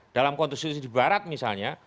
dalam konstitusi di barat misalnya